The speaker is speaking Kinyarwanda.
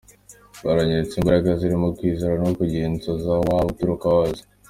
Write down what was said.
Byanyeretse imbaraga ziri mu kwizera no kugira inzozi aho waba uturuka hose.